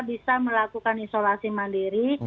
bisa melakukan isolasi mandiri